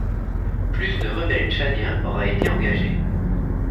Plus de rebelles tchadiens auraient été engagés.